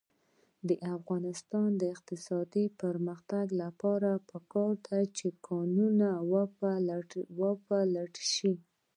د افغانستان د اقتصادي پرمختګ لپاره پکار ده چې کانونه وپلټل شي.